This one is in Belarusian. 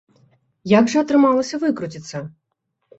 Як жа атрымалася выкруціцца?